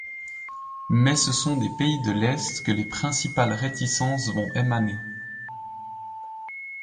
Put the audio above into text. Mais ce sont des pays de l'Est que les principales réticences vont émaner.